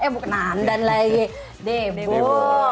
eh bukan nandan lah yuk debo